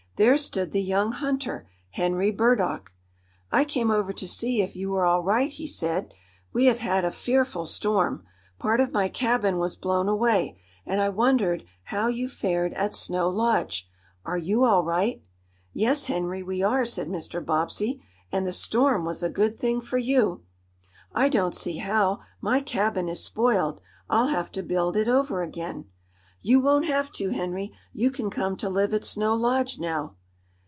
There stood the young hunter Henry Burdock. "I came over to see if you were all right," he said. "We have had a fearful storm. Part of my cabin was blown away, and I wondered how you fared at Snow Lodge. Are you all right?" "Yes, Henry, we are," said Mr. Bobbsey, "And the storm was a good thing for you." "I don't see how. My cabin is spoiled. I'll have to build it over again." "You won't have to, Henry. You can come to live at Snow Lodge now."